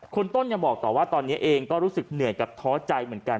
คุณต้นยังบอกต่อว่าตอนนี้เองก็รู้สึกเหนื่อยกับท้อใจเหมือนกัน